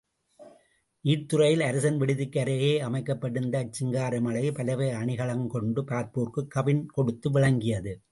நீர்த் துறையில் அரசன் விடுதிக்கு அருகே அமைக்கப்பட்டிருந்த அச்சிங்கார மாளிகை பலவகை அணிகளுங்கொண்டு பார்ப்போர்க்குக் கவின் கொடுத்து விளங்கியது.